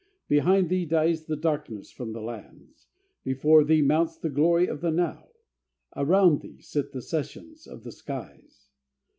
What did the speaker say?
Behind thee dies the darkness from the lands: Before thee mounts the glory of the Now: Around thee sit the sessions of the skies.